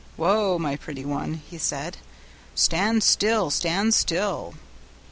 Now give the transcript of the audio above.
'Whoa! my pretty one,' he said, 'stand still, stand still.'